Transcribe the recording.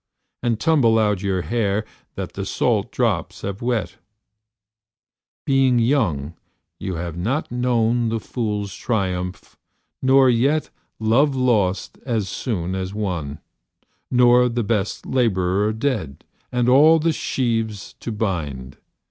And tumble out your hair That the salt drops have wet; Being young you have not known The fool's triumph, nor yet Love lost as soon as won, Nor the best labourer dead And all the sheaves to bind.